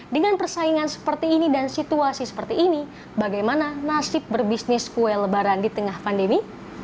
dengan persaingan seperti ini dan situasi seperti ini bagaimana nasib berbisnis kue lebaran di tengah pandemi